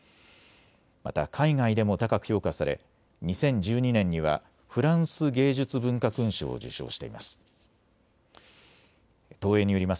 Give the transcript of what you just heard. また海外でも高く評価され２０１２年にはフランス芸術文化勲章を受章しています。